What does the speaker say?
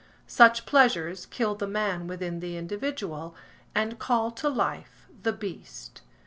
Such pleasures kill the man within the individual, and call to life the beast.